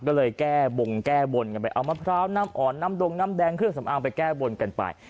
ก็เลยแก้บงแก้บนกันไปเอามะพร้าวน้ำอ่อนน้ำดงน้ำแดงเครื่องสำอางไปแก้บนกันไป